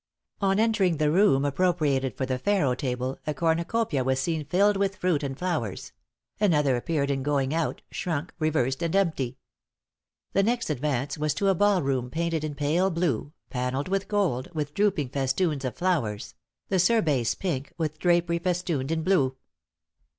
On entering the room appropriated for the faro table, a cornucopia was seen filled with fruit and flowers; another appeared in going out, shrunk, reversed and empty. The next advance was to a ball room painted in pale blue, pannelled with gold, with drooping festoons of flowers; the surbase pink, with drapery festooned in blue.